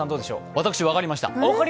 私、分かりました！